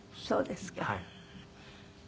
そうですか。